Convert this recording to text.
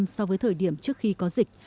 so với thời điểm trước khi có dịch